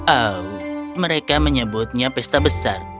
oh mereka menyebutnya pesta besar